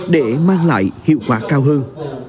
để mang lại hiệu quả cao hơn